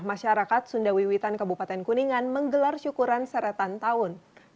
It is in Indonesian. masyarakat sundawiwitan kabupaten kuningan menggelar syukuran seretan tahun